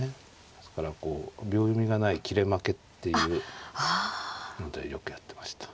ですからこう秒読みがない切れ負けっていうのでよくやってました。